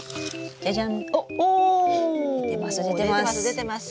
出てます